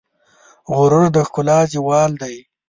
غرور د ښکلا زوال دی.